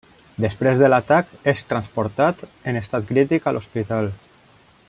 Després de l'atac, és transportat en estat crític a l'hospital.